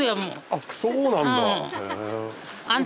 あっそうなんだ！